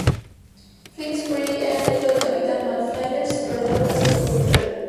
Flinders Petrie era nieto del capitán Matthew Flinders, explorador de las costas de Australia.